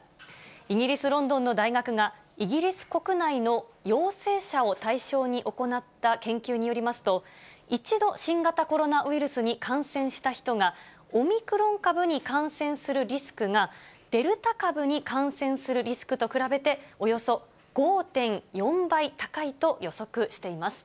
イギリス・ロンドンの大学が、イギリス国内の陽性者を対象に行った研究によりますと、一度、新型コロナウイルスに感染した人が、オミクロン株に感染するリスクが、デルタ株に感染するリスクと比べて、およそ５．４倍高いと予測しています。